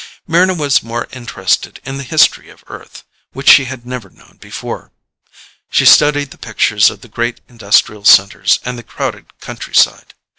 Mryna was more interested in the history of Earth, which she had never known before. She studied the pictures of the great industrial centers and the crowded countryside.